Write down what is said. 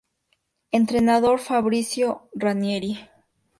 Entrenador: Fabrizio Ranieri